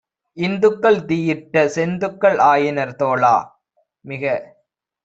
இந்துக்கள் தீயிட்ட செந்துக்கள் ஆயினர் தோழா - மிக